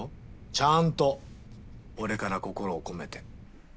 ちゃんと俺から心を込めて。